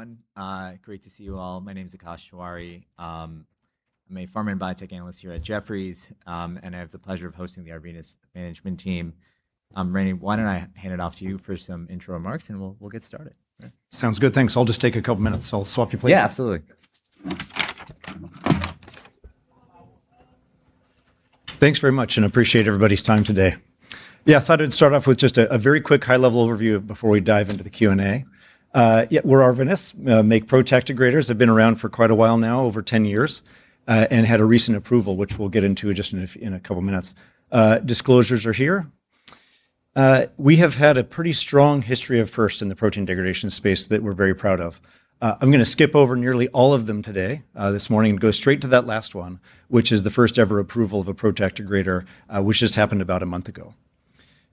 Everyone, great to see you all. My name's Akash Tewari. I'm a pharma and biotech analyst here at Jefferies, and I have the pleasure of hosting the Arvinas management team. Randy, why don't I hand it off to you for some intro remarks, and we'll get started. Sounds good. Thanks. I'll just take a couple minutes, so I'll swap you places. Yeah, absolutely. Thanks very much, and appreciate everybody's time today. I thought I'd start off with just a very quick high-level overview before we dive into the Q&A. We're Arvinas, make PROTAC degraders, have been around for quite a while now, over 10 years, and had a recent approval, which we'll get into just in a couple of minutes. Disclosures are here. We have had a pretty strong history of firsts in the protein degradation space that we're very proud of. I'm going to skip over nearly all of them today, this morning, and go straight to that last one, which is the first ever approval of a PROTAC degrader, which just happened about a month ago.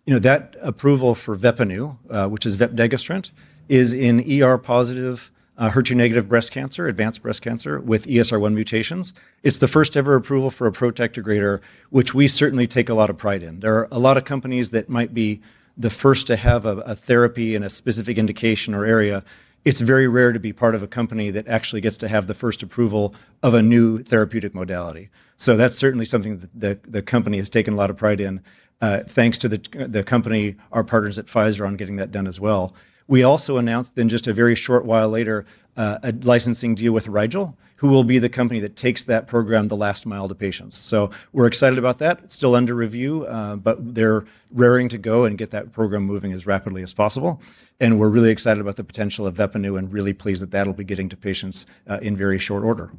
That approval for Veppanu, which is vepdegestrant, is in ER-positive, HER2-negative breast cancer, advanced breast cancer, with ESR1 mutations. It's the first ever approval for a PROTAC degrader, which we certainly take a lot of pride in. There are a lot of companies that might be the first to have a therapy and a specific indication or area. It's very rare to be part of a company that actually gets to have the first approval of a new therapeutic modality. That's certainly something that the company has taken a lot of pride in. Thanks to the company, our partners at Pfizer on getting that done as well. We also announced then just a very short while later, a licensing deal with Rigel, who will be the company that takes that program the last mile to patients. We're excited about that. It's still under review, but they're raring to go and get that program moving as rapidly as possible, and we're really excited about the potential of Veppanu and really pleased that that'll be getting to patients in very short order.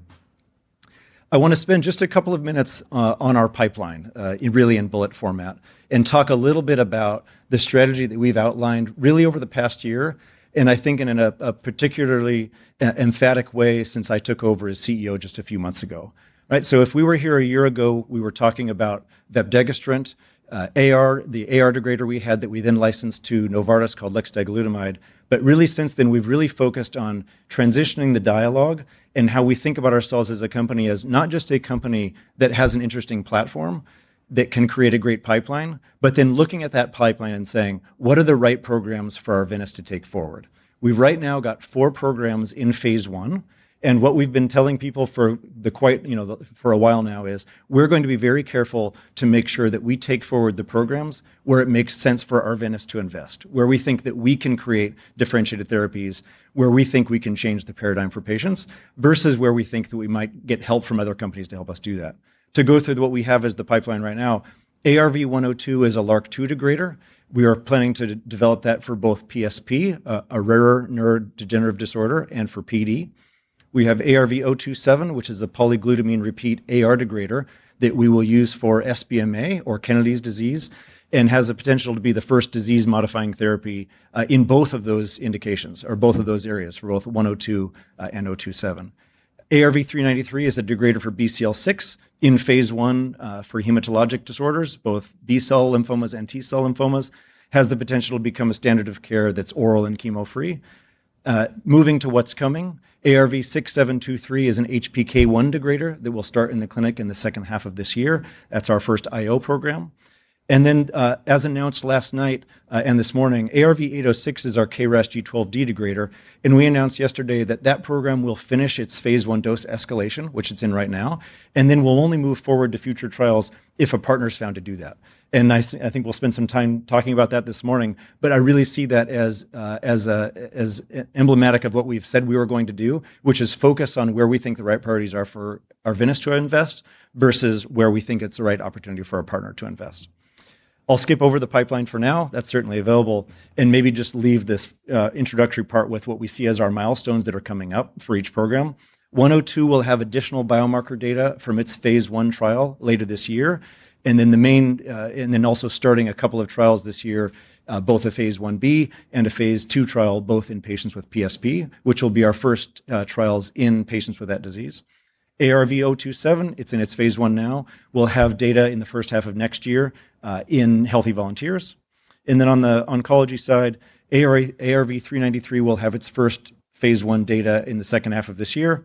I want to spend just a couple of minutes on our pipeline, really in bullet format, and talk a little bit about the strategy that we've outlined really over the past year, and I think in a particularly emphatic way since I took over as CEO just a few months ago. If we were here a year ago, we were talking about vepdegestrant, AR, the AR degrader we had that we then licensed to Novartis called luxdegalutamide. Really since then, we've really focused on transitioning the dialogue and how we think about ourselves as a company as not just a company that has an interesting platform that can create a great pipeline, but then looking at that pipeline and saying, what are the right programs for Arvinas to take forward? We've right now got four programs in phase I, and what we've been telling people for a while now is we're going to be very careful to make sure that we take forward the programs where it makes sense for Arvinas to invest, where we think that we can create differentiated therapies, where we think we can change the paradigm for patients, versus where we think that we might get help from other companies to help us do that. To go through what we have as the pipeline right now, ARV-102 is a LRRK2 degrader. We are planning to develop that for both PSP, a rarer neurodegenerative disorder, and for PD. We have ARV-027, which is a polyglutamine repeat AR degrader that we will use for SBMA or Kennedy's disease and has the potential to be the first disease-modifying therapy in both of those indications or both of those areas for both 102 and 027. ARV-393 is a degrader for BCL6 in phase I for hematologic disorders, both B-cell lymphomas and T-cell lymphomas. Has the potential to become a standard of care that's oral and chemo-free. Moving to what's coming, ARV-6723 is an HPK1 degrader that will start in the clinic in the second half of this year. That's our first IO program. As announced last night and this morning, ARV-806 is our KRAS G12D degrader, and we announced yesterday that that program will finish its phase I dose escalation, which it's in right now, and then we'll only move forward to future trials if a partner's found to do that. I think we'll spend some time talking about that this morning, but I really see that as emblematic of what we've said we were going to do, which is focus on where we think the right priorities are for Arvinas to invest, versus where we think it's the right opportunity for a partner to invest. I'll skip over the pipeline for now. That's certainly available, and maybe just leave this introductory part with what we see as our milestones that are coming up for each program. 102 will have additional biomarker data from its phase I trial later this year, and then also starting a couple of trials this year, both a phase I-B and a phase II trial, both in patients with PSP, which will be our first trials in patients with that disease. ARV-027, it's in its phase I now, will have data in the first half of next year, in healthy volunteers. On the oncology side, ARV-393 will have its first phase I data in the second half of this year,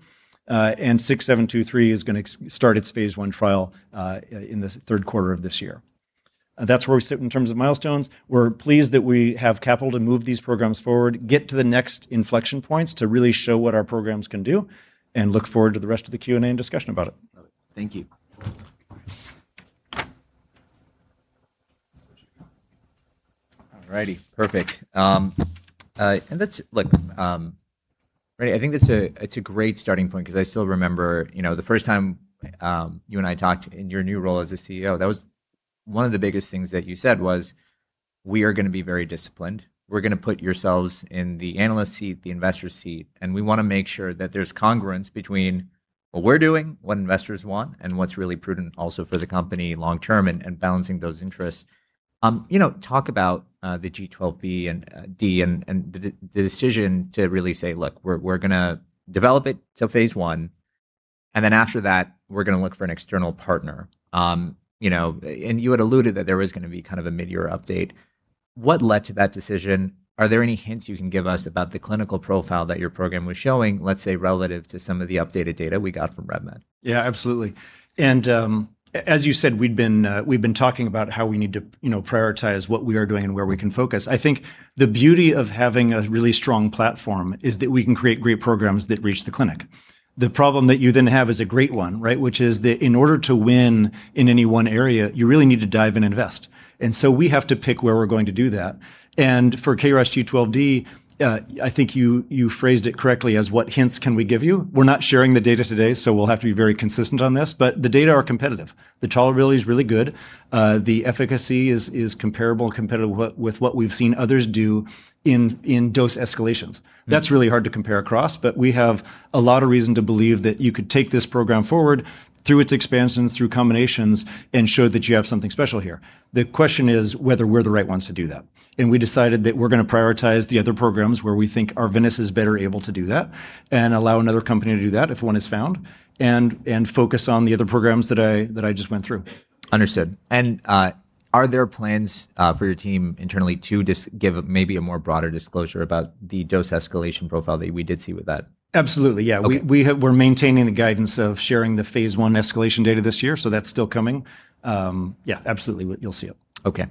and 6723 is going to start its phase I trial in the third quarter of this year. That's where we sit in terms of milestones. We're pleased that we have capital to move these programs forward, get to the next inflection points to really show what our programs can do, and look forward to the rest of the Q&A and discussion about it. Thank you. All righty. Perfect. Randy, I think it's a great starting point because I still remember the first time you and I talked in your new role as a CEO, that was one of the biggest things that you said was, "We are going to be very disciplined. We're going to put yourselves in the analyst seat, the investor seat, and we want to make sure that there's congruence between what we're doing, what investors want, and what's really prudent also for the company long term and balancing those interests." Talk about the G12V and D and the decision to really say, look, we're going to develop it to phase I, and then after that, we're going to look for an external partner. You had alluded that there was going to be a mid-year update. What led to that decision? Are there any hints you can give us about the clinical profile that your program was showing, let's say, relative to some of the updated data we got from RevMed? Yeah, absolutely. As you said, we've been talking about how we need to prioritize what we are doing and where we can focus. I think the beauty of having a really strong platform is that we can create great programs that reach the clinic. The problem that you then have is a great one, which is that in order to win in any one area, you really need to dive and invest. We have to pick where we're going to do that. For KRAS G12D, I think you phrased it correctly as what hints can we give you? We're not sharing the data today, we'll have to be very consistent on this. The data are competitive. The tolerability is really good. The efficacy is comparable, competitive with what we've seen others do in dose escalations. That's really hard to compare across, but we have a lot of reason to believe that you could take this program forward through its expansions, through combinations, and show that you have something special here. The question is whether we're the right ones to do that. We decided that we're going to prioritize the other programs where we think Arvinas is better able to do that and allow another company to do that if one is found, and focus on the other programs that I just went through. Understood. Are there plans for your team internally to just give maybe a more broader disclosure about the dose escalation profile that we did see with that? Absolutely, yeah. Okay. We're maintaining the guidance of sharing the phase I escalation data this year. That's still coming. Yeah, absolutely, you'll see it. Okay.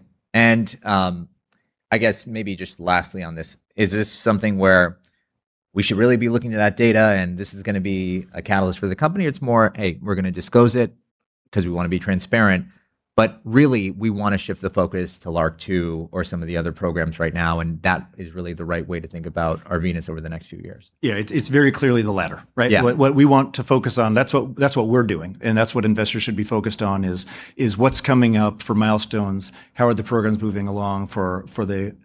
I guess maybe just lastly on this, is this something where we should really be looking to that data and this is going to be a catalyst for the company? It's more, hey, we're going to disclose it because we want to be transparent, but really we want to shift the focus to LRRK2 or some of the other programs right now, and that is really the right way to think about Arvinas over the next few years. Yeah. It's very clearly the latter, right? Yeah. What we want to focus on, that's what we're doing and that's what investors should be focused on is what's coming up for milestones, how are the programs moving along for the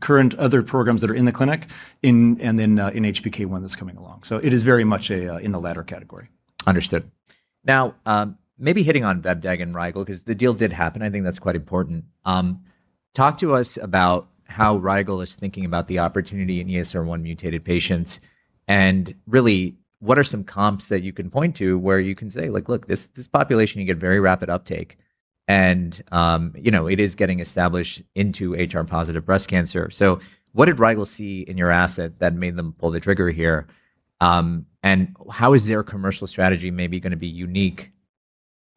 current other programs that are in the clinic, in HPK1 that's coming along. It is very much in the latter category. Understood. Maybe hitting on Veppanu and Rigel because the deal did happen. I think that's quite important. Talk to us about how Rigel is thinking about the opportunity in ESR1 mutated patients, and really what are some comps that you can point to where you can say, "Look, this population you get very rapid uptake, and it is getting established into HR-positive breast cancer." What did Rigel see in your asset that made them pull the trigger here? How is their commercial strategy maybe going to be unique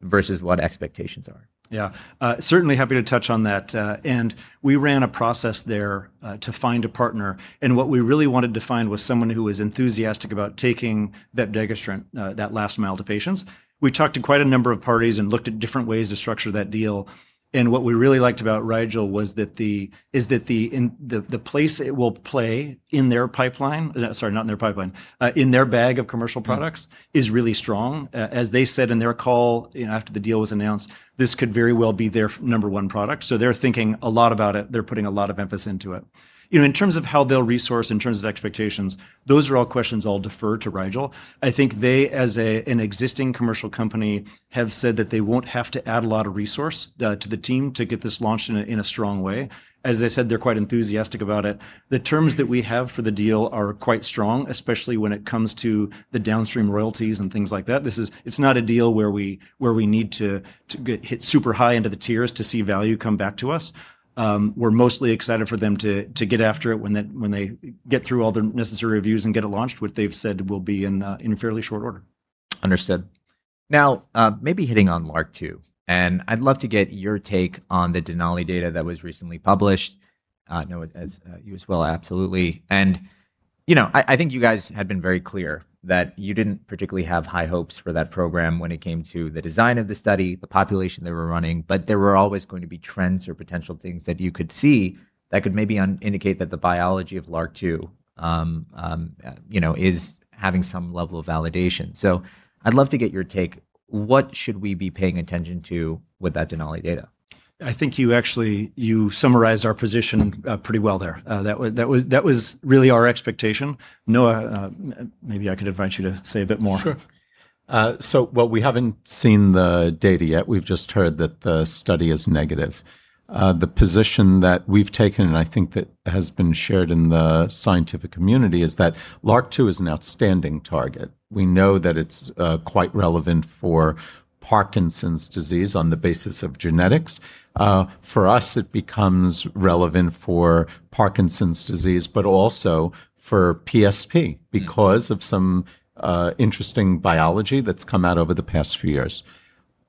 versus what expectations are? Yeah. Certainly happy to touch on that. We ran a process there to find a partner, and what we really wanted to find was someone who was enthusiastic about taking Veppanu, that last mile to patients. We talked to quite a number of parties and looked at different ways to structure that deal, and what we really liked about Rigel was that the place it will play in their pipeline, sorry, not in their pipeline, in their bag of commercial products. is really strong. As they said in their call after the deal was announced, this could very well be their number one product. They're thinking a lot about it. They're putting a lot of emphasis into it. In terms of how they'll resource, in terms of expectations, those are all questions I'll defer to Rigel. I think they, as an existing commercial company, have said that they won't have to add a lot of resource to the team to get this launched in a strong way. As I said, they're quite enthusiastic about it. The terms that we have for the deal are quite strong, especially when it comes to the downstream royalties and things like that. It's not a deal where we need to hit super high into the tiers to see value come back to us. We're mostly excited for them to get after it when they get through all the necessary reviews and get it launched, which they've said will be in fairly short order. Understood. Maybe hitting on LRRK2, and I'd love to get your take on the Denali data that was recently published. Noah, as you as well, absolutely. I think you guys had been very clear that you didn't particularly have high hopes for that program when it came to the design of the study, the population they were running, but there were always going to be trends or potential things that you could see that could maybe indicate that the biology of LRRK2 is having some level of validation. I'd love to get your take. What should we be paying attention to with that Denali data? I think you actually summarized our position pretty well there. That was really our expectation. Noah, maybe I could invite you to say a bit more. Sure. While we haven't seen the data yet, we've just heard that the study is negative. The position that we've taken, and I think that has been shared in the scientific community, is that LRRK2 is an outstanding target. We know that it's quite relevant for Parkinson's disease on the basis of genetics. For us, it becomes relevant for Parkinson's disease, but also for PSP because of some interesting biology that's come out over the past few years.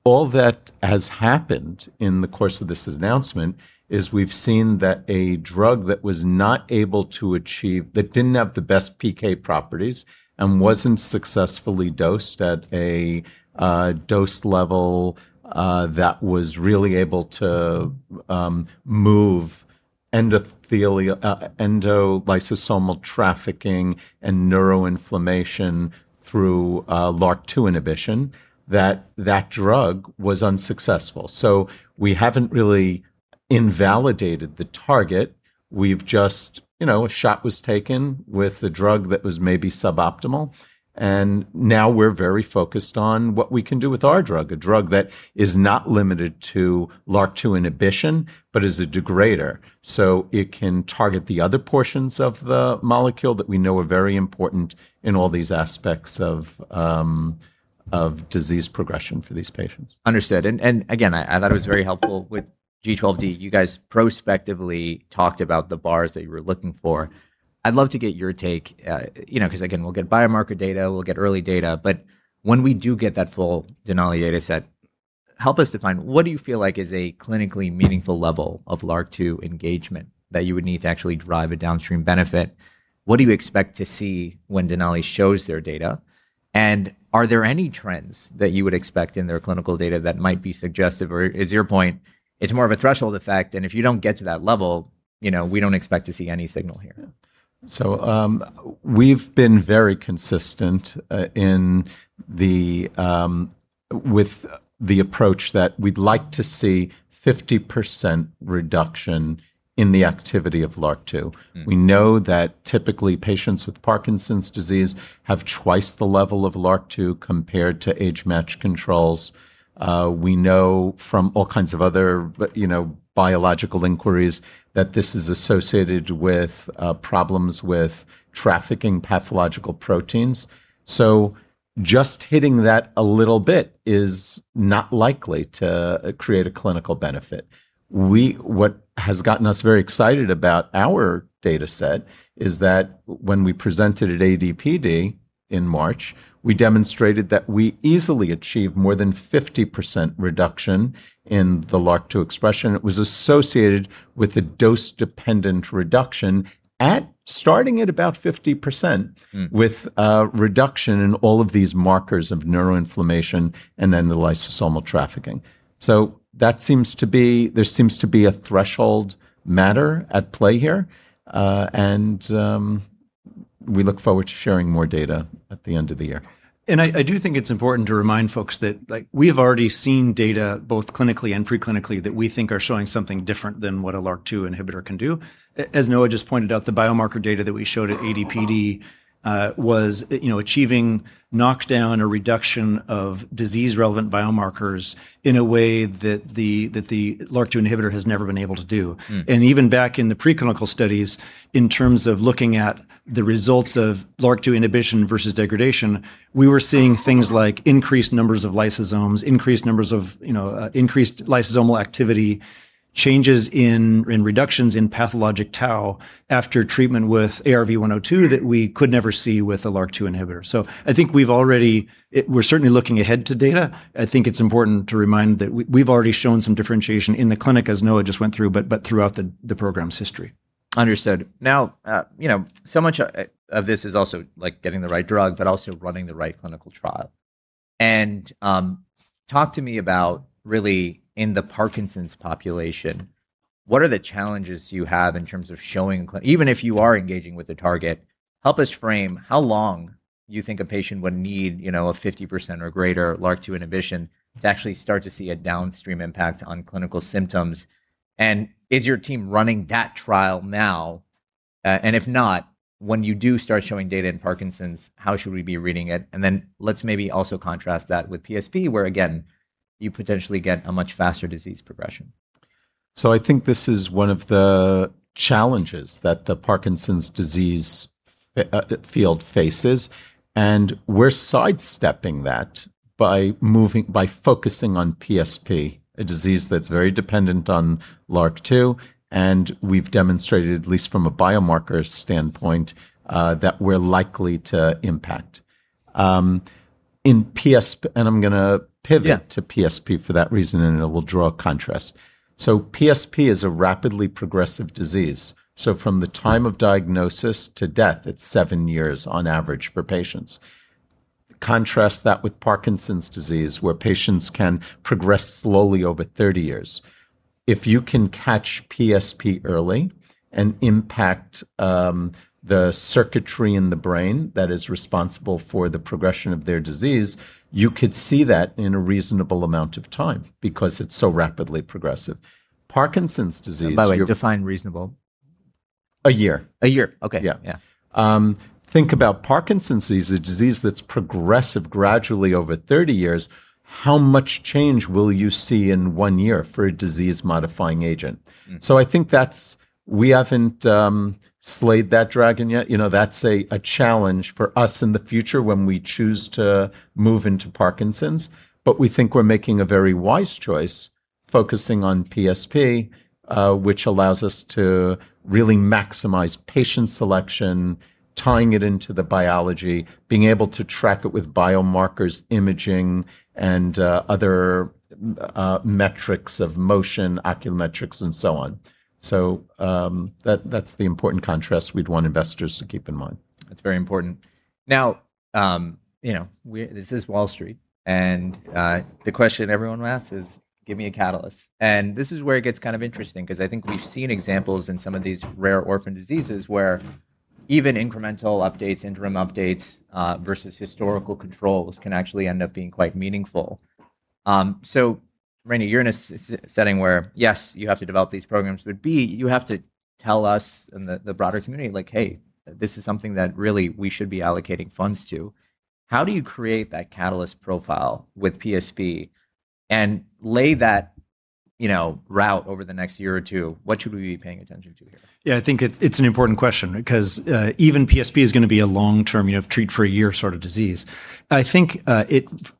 All that has happened in the course of this announcement is we've seen that a drug that was not able to achieve, that didn't have the best PK properties and wasn't successfully dosed at a dose level that was really able to move endolysosomal trafficking and neuroinflammation through LRRK2 inhibition, that that drug was unsuccessful. We haven't really invalidated the target. A shot was taken with a drug that was maybe suboptimal, and now we're very focused on what we can do with our drug, a drug that is not limited to LRRK2 inhibition, but is a degrader, so it can target the other portions of the molecule that we know are very important in all these aspects of disease progression for these patients. Understood. Again, I thought it was very helpful with G12D. You guys prospectively talked about the bars that you were looking for. I'd love to get your take, because again, we'll get biomarker data, we'll get early data, but when we do get that full Denali data set. Help us define what do you feel like is a clinically meaningful level of LRRK2 engagement that you would need to actually drive a downstream benefit? What do you expect to see when Denali shows their data, and are there any trends that you would expect in their clinical data that might be suggestive? Is your point, it's more of a threshold effect, and if you don't get to that level, we don't expect to see any signal here? We've been very consistent with the approach that we'd like to see 50% reduction in the activity of LRRK2. We know that typically patients with Parkinson's disease have twice the level of LRRK2 compared to age-matched controls. We know from all kinds of other biological inquiries that this is associated with problems with trafficking pathologic proteins. Just hitting that a little bit is not likely to create a clinical benefit. What has gotten us very excited about our data set is that when we presented at AD/PD in March, we demonstrated that we easily achieve more than 50% reduction in the LRRK2 expression. It was associated with a dose-dependent reduction starting at about 50%- with a reduction in all of these markers of neuroinflammation and then the lysosomal trafficking. There seems to be a threshold matter at play here. We look forward to sharing more data at the end of the year. I do think it's important to remind folks that we have already seen data, both clinically and pre-clinically, that we think are showing something different than what a LRRK2 inhibitor can do. As Noah just pointed out, the biomarker data that we showed at AD/PD. was achieving knockdown or reduction of disease-relevant biomarkers in a way that the LRRK2 inhibitor has never been able to do. Even back in the preclinical studies, in terms of looking at the results of LRRK2 inhibition versus degradation, we were seeing things like increased numbers of lysosomes, increased lysosomal activity, changes in reductions in pathologic tau after treatment with ARV-102 that we could never see with a LRRK2 inhibitor. I think we're certainly looking ahead to data. I think it's important to remind that we've already shown some differentiation in the clinic, as Noah just went through, but throughout the program's history. Understood. So much of this is also getting the right drug, but also running the right clinical trial. Talk to me about really in the Parkinson's population, what are the challenges you have in terms of showing, even if you are engaging with a target, help us frame how long you think a patient would need a 50% or greater LRRK2 inhibition to actually start to see a downstream impact on clinical symptoms. Is your team running that trial now? If not, when you do start showing data in Parkinson's, how should we be reading it? Let's maybe also contrast that with PSP, where again, you potentially get a much faster disease progression. I think this is one of the challenges that the Parkinson's disease field faces, and we're sidestepping that by focusing on PSP, a disease that's very dependent on LRRK2, and we've demonstrated, at least from a biomarker standpoint, that we're likely to impact. Yeah To PSP for that reason, it will draw a contrast. PSP is a rapidly progressive disease. From the time of diagnosis to death, it's seven years on average for patients. Contrast that with Parkinson's disease, where patients can progress slowly over 30 years. If you can catch PSP early and impact the circuitry in the brain that is responsible for the progression of their disease, you could see that in a reasonable amount of time because it's so rapidly progressive. Parkinson's disease- By the way, define reasonable. A year. A year, okay. Yeah. Yeah. Think about Parkinson's disease, a disease that's progressive gradually over 30 years. How much change will you see in one year for a disease-modifying agent? I think we haven't slayed that dragon yet. That's a challenge for us in the future when we choose to move into Parkinson's. We think we're making a very wise choice focusing on PSP, which allows us to really maximize patient selection, tying it into the biology, being able to track it with biomarkers, imaging, and other metrics of motion, oculometrics, and so on. That's the important contrast we'd want investors to keep in mind. That's very important. This is Wall Street, and the question everyone will ask is, "Give me a catalyst." This is where it gets kind of interesting because I think we've seen examples in some of these rare orphan diseases where even incremental updates, interim updates, versus historical controls can actually end up being quite meaningful. Randy, you're in a setting where, yes, you have to develop these programs, but B, you have to tell us and the broader community, like, "Hey, this is something that really we should be allocating funds to." How do you create that catalyst profile with PSP and lay that route over the next year or two? What should we be paying attention to here? Yeah, I think it's an important question because even PSP is going to be a long-term treat for a year sort of disease. I think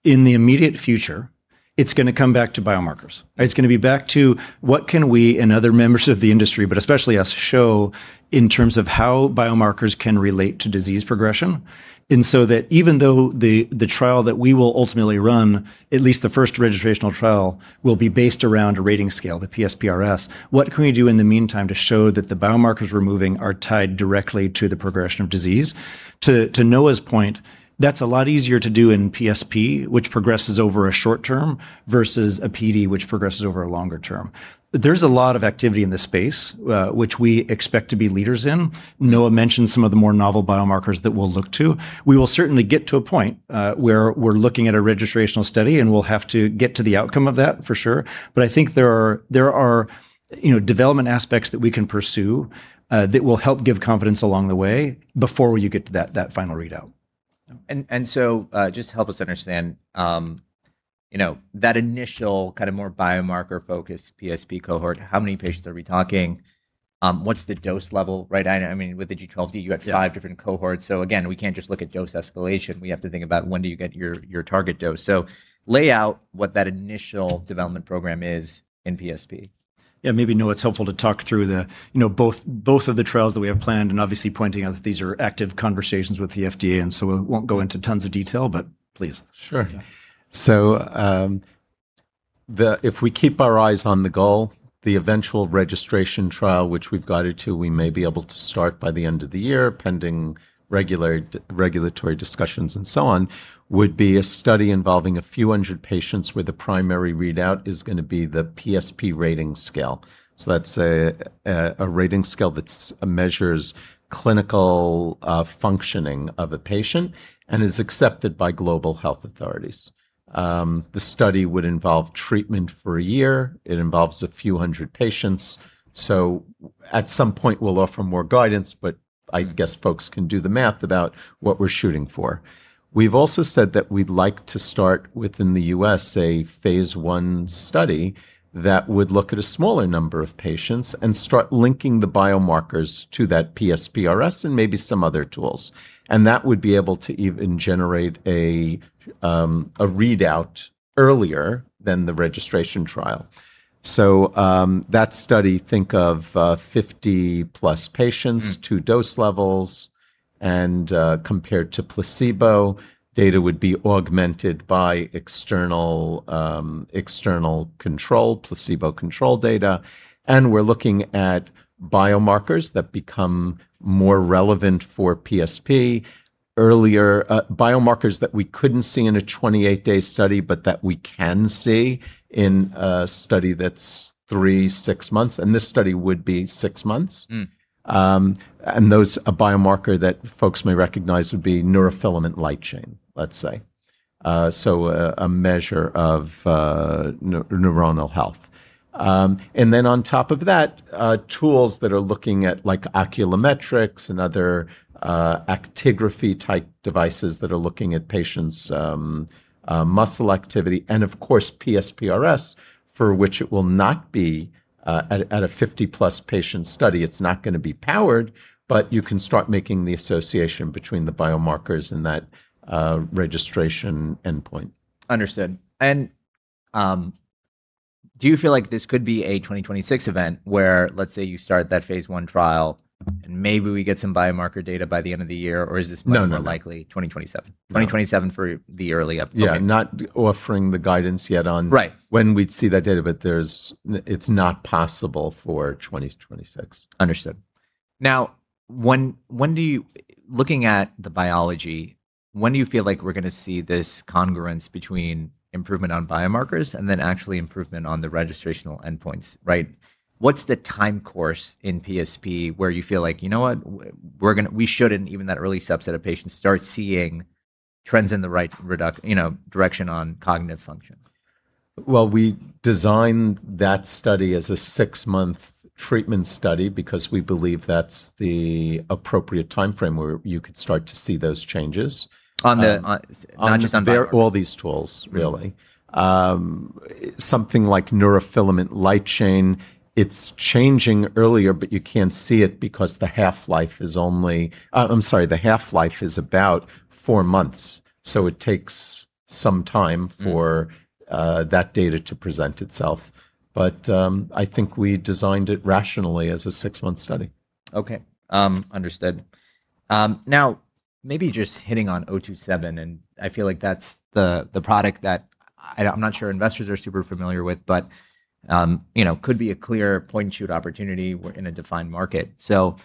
in the immediate future. It's going to come back to biomarkers. It's going to be back to what can we and other members of the industry, but especially us, show in terms of how biomarkers can relate to disease progression. That even though the trial that we will ultimately run, at least the first registrational trial, will be based around a rating scale, the PSPRS, what can we do in the meantime to show that the biomarkers we're moving are tied directly to the progression of disease? To Noah's point, that's a lot easier to do in PSP, which progresses over a short term, versus a PD, which progresses over a longer term. There's a lot of activity in this space, which we expect to be leaders in. Noah mentioned some of the more novel biomarkers that we'll look to. We will certainly get to a point where we're looking at a registrational study, and we'll have to get to the outcome of that, for sure. I think there are development aspects that we can pursue that will help give confidence along the way before you get to that final readout. Just help us understand, that initial more biomarker-focused PSP cohort, how many patients are we talking? What's the dose level, right? With the G12D, you had five different cohorts. Again, we can't just look at dose escalation. We have to think about when do you get your target dose. Lay out what that initial development program is in PSP. Yeah. Maybe, Noah, it's helpful to talk through both of the trials that we have planned. Obviously pointing out that these are active conversations with the FDA. We won't go into tons of detail. Please. If we keep our eyes on the goal, the eventual registration trial, which we've guided to, we may be able to start by the end of the year, pending regulatory discussions and so on, would be a study involving a few hundred patients where the primary readout is going to be the PSP Rating Scale. That's a rating scale that measures clinical functioning of a patient and is accepted by global health authorities. The study would involve treatment for a year. It involves a few hundred patients. At some point we'll offer more guidance, I guess folks can do the math about what we're shooting for. We've also said that we'd like to start within the U.S., a phase I study that would look at a smaller number of patients and start linking the biomarkers to that PSPRS and maybe some other tools. That would be able to even generate a readout earlier than the registration trial. That study, think of 50+ patients, two dose levels, and compared to placebo, data would be augmented by external control, placebo control data. We're looking at biomarkers that become more relevant for PSP earlier. Biomarkers that we couldn't see in a 28-day study, but that we can see in a study that's three, six months, and this study would be six months. Those, a biomarker that folks may recognize would be neurofilament light chain, let's say. A measure of neuronal health. Then on top of that, tools that are looking at oculometrics and other actigraphy type devices that are looking at patients' muscle activity and, of course, PSPRS, for which it will not be at a 50+ patient study. It's not going to be powered, but you can start making the association between the biomarkers and that registration endpoint. Understood. Do you feel like this could be a 2026 event, where let's say you start that phase I trial and maybe we get some biomarker data by the end of the year, or is this- No more likely 2027? No. 2027 for the early update. Yeah, not offering the guidance yet on- Right when we'd see that data, but it's not possible for 2026. Understood. Looking at the biology, when do you feel like we're going to see this congruence between improvement on biomarkers and then actually improvement on the registrational endpoints, right? What's the time course in PSP where you feel like, you know what, we should, in even that early subset of patients, start seeing trends in the right direction on cognitive function? Well, we designed that study as a six-month treatment study because we believe that's the appropriate timeframe where you could start to see those changes. On the- On all these tools, really. Something like neurofilament light chain, it's changing earlier, but you can't see it because the half-life is about four months. It takes some time for that data to present itself. I think we designed it rationally as a six-month study. Okay. Understood. Maybe just hitting on 027, and I feel like that's the product that I'm not sure investors are super familiar with, but could be a clear point and shoot opportunity. We're in a defined market. Tell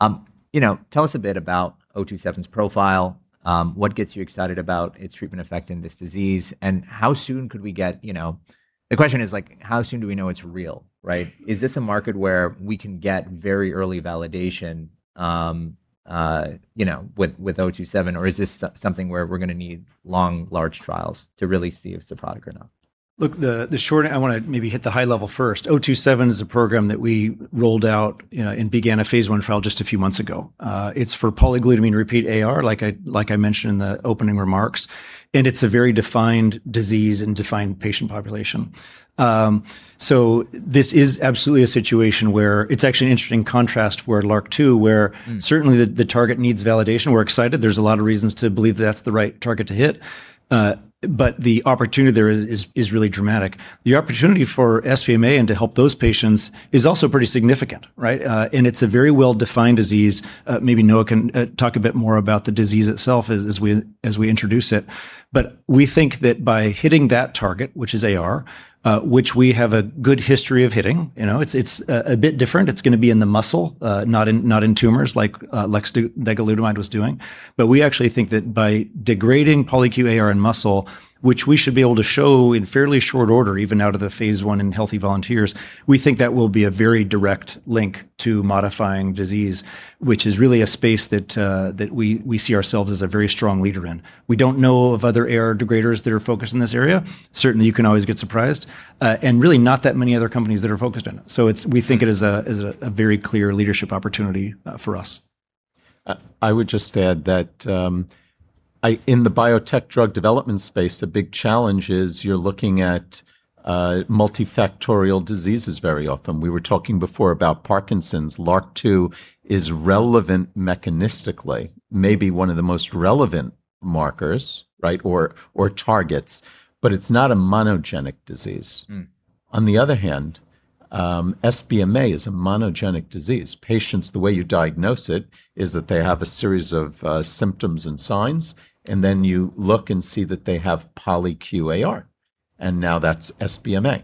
us a bit about 027's profile. What gets you excited about its treatment effect in this disease, and the question is how soon do we know it's real, right? Is this a market where we can get very early validation with 027, or is this something where we're going to need long, large trials to really see if it's a product or not? Look, I want to maybe hit the high level first. 027 is a program that we rolled out and began a phase I trial just a few months ago. It's for polyglutamine repeat AR, like I mentioned in the opening remarks. It's a very defined disease and defined patient population. This is absolutely a situation where it's actually an interesting contrast where LRRK2, where certainly the target needs validation. We're excited. There's a lot of reasons to believe that's the right target to hit. The opportunity there is really dramatic. The opportunity for SBMA and to help those patients is also pretty significant, right? It's a very well-defined disease. Maybe Noah can talk a bit more about the disease itself as we introduce it. We think that by hitting that target, which is AR, which we have a good history of hitting. It's a bit different. It's going to be in the muscle, not in tumors like luxdegalutamide was doing. We actually think that by degrading polyQ AR in muscle, which we should be able to show in fairly short order, even out of the phase I in healthy volunteers, we think that will be a very direct link to modifying disease, which is really a space that we see ourselves as a very strong leader in. We don't know of other AR degraders that are focused in this area. Certainly, you can always get surprised, and really not that many other companies that are focused on it. We think it is a very clear leadership opportunity for us. I would just add that in the biotech drug development space, the big challenge is you're looking at multifactorial diseases very often. We were talking before about Parkinson's. LRRK2 is relevant mechanistically, maybe one of the most relevant markers, right? Targets, but it's not a monogenic disease. On the other hand, SBMA is a monogenic disease. Patients, the way you diagnose it is that they have a series of symptoms and signs, and then you look and see that they have polyQ AR, and now that's SBMA.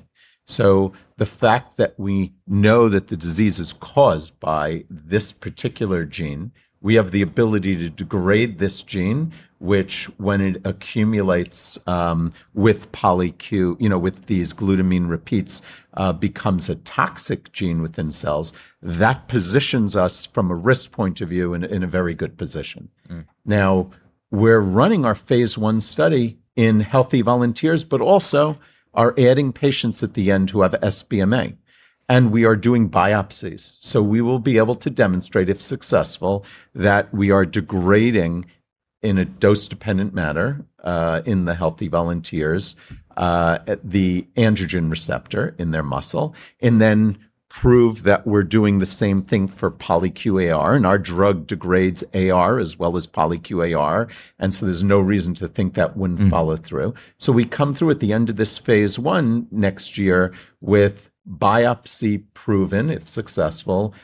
The fact that we know that the disease is caused by this particular gene, we have the ability to degrade this gene, which when it accumulates with polyQ, with these glutamine repeats, becomes a toxic gene within cells. That positions us from a risk point of view in a very good position. Now, we're running our phase I study in healthy volunteers, but also are adding patients at the end who have SBMA, and we are doing biopsies. We will be able to demonstrate, if successful, that we are degrading in a dose-dependent manner, in the healthy volunteers, the androgen receptor in their muscle, and then prove that we're doing the same thing for polyQ AR, and our drug degrades AR as well as polyQ AR. There's no reason to think that wouldn't follow through. We come through at the end of this phase I next year with biopsy proven, if successful,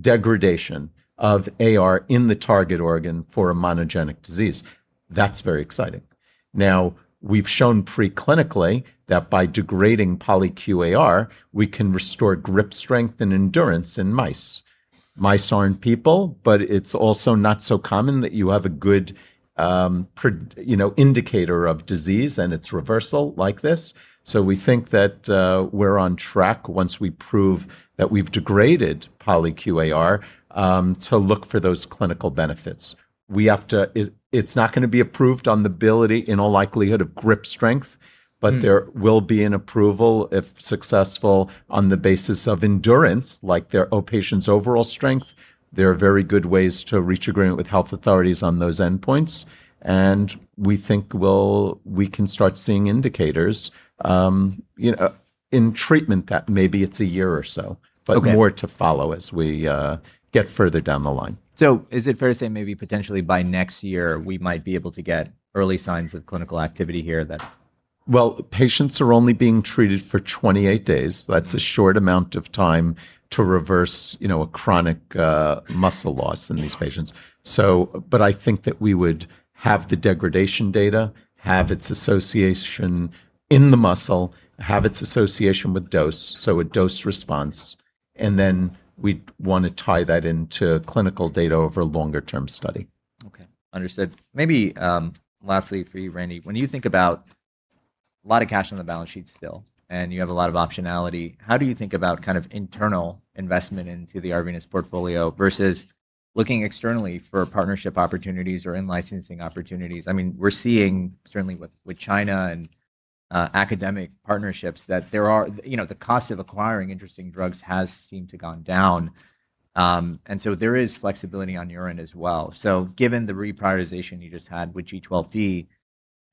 degradation of AR in the target organ for a monogenic disease. That's very exciting. Now, we've shown preclinically that by degrading polyQ AR, we can restore grip strength and endurance in mice. Mice aren't people, but it's also not so common that you have a good indicator of disease and its reversal like this. We think that we're on track once we prove that we've degraded polyQ AR, to look for those clinical benefits. It's not going to be approved on the ability, in all likelihood, of grip strength. There will be an approval, if successful, on the basis of endurance, like their patient's overall strength. There are very good ways to reach agreement with health authorities on those endpoints, and we think we can start seeing indicators in treatment that maybe it's a year or so. Okay. More to follow as we get further down the line. Is it fair to say maybe potentially by next year, we might be able to get early signs of clinical activity here then? Well, patients are only being treated for 28 days. That's a short amount of time to reverse a chronic muscle loss in these patients. I think that we would have the degradation data, have its association in the muscle, have its association with dose, so a dose response, and then we'd want to tie that into clinical data over a longer-term study. Okay. Understood. Maybe, lastly for you, Randy, when you think about a lot of cash on the balance sheet still, and you have a lot of optionality, how do you think about internal investment into the Arvinas portfolio versus looking externally for partnership opportunities or in licensing opportunities? We're seeing certainly with China and academic partnerships that the cost of acquiring interesting drugs has seemed to gone down. There is flexibility on your end as well. Given the reprioritization you just had with G12D,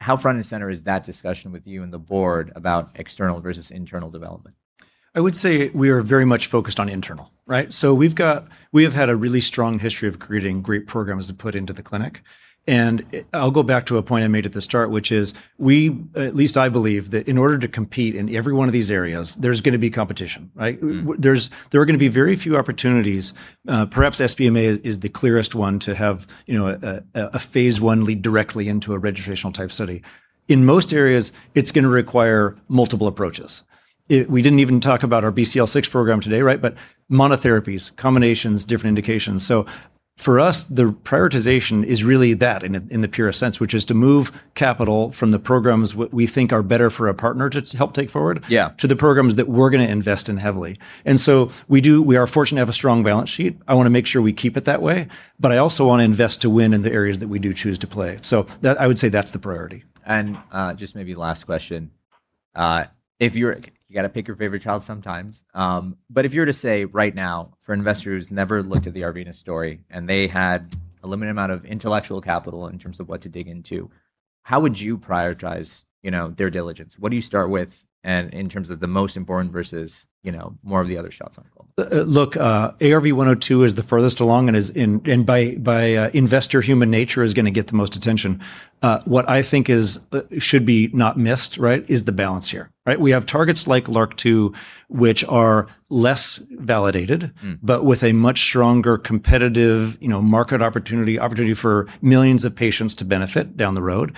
how front and center is that discussion with you and the board about external versus internal development? I would say we are very much focused on internal, right? We have had a really strong history of creating great programs to put into the clinic, and I'll go back to a point I made at the start, which is, at least I believe, that in order to compete in every one of these areas, there's going to be competition, right? There are going to be very few opportunities. Perhaps SBMA is the clearest one to have a phase I lead directly into a registrational type study. In most areas, it's going to require multiple approaches. We didn't even talk about our BCL6 program today, right? Monotherapies, combinations, different indications. For us, the prioritization is really that in the purest sense, which is to move capital from the programs we think are better for a partner to help take forward. Yeah to the programs that we're going to invest in heavily. We are fortunate to have a strong balance sheet. I want to make sure we keep it that way, but I also want to invest to win in the areas that we do choose to play. I would say that's the priority. Just maybe last question? You got to pick your favorite child sometimes. If you were to say right now, for an investor who's never looked at the Arvinas story, and they had a limited amount of intellectual capital in terms of what to dig into, how would you prioritize their diligence? What do you start with in terms of the most important versus more of the other shots on goal? ARV-102 is the furthest along and by investor human nature is going to get the most attention. What I think should be not missed, right, is the balance here, right? We have targets like LRRK2, which are less validated. With a much stronger competitive market opportunity for millions of patients to benefit down the road.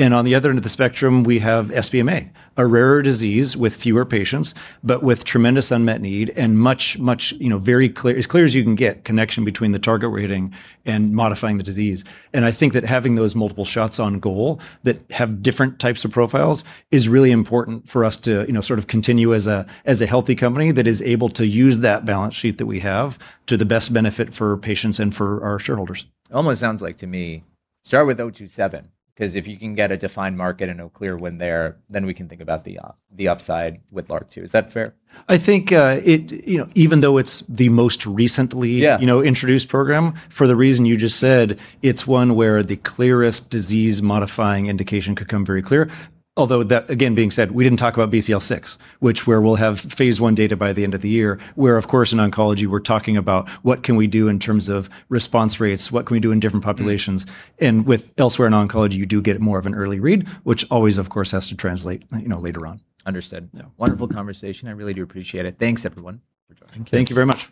On the other end of the spectrum, we have SBMA, a rarer disease with fewer patients, but with tremendous unmet need and much, as clear as you can get, connection between the target we're hitting and modifying the disease. I think that having those multiple shots on goal that have different types of profiles is really important for us to sort of continue as a healthy company that is able to use that balance sheet that we have to the best benefit for patients and for our shareholders. Almost sounds like to me, start with 027, because if you can get a defined market and a clear win there, then we can think about the upside with LRRK2. Is that fair? I think even though it's the most recently- Yeah introduced program, for the reason you just said, it's one where the clearest disease-modifying indication could come very clear. That again being said, we didn't talk about BCL6, which where we'll have phase I data by the end of the year, where, of course, in oncology, we're talking about what can we do in terms of response rates, what can we do in different populations. With elsewhere in oncology, you do get more of an early read, which always, of course, has to translate later on. Understood. Yeah. Wonderful conversation. I really do appreciate it. Thanks, everyone, for joining. Thank you very much.